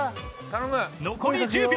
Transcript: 残り１０秒！